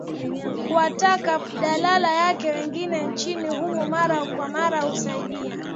kuwataka badala yake waingie nchini humo mara kwa mara kusaidia